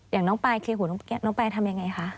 อย่างน้องปลายเคลียร์หูน้องแกะน้องปลายทำยังไงคะ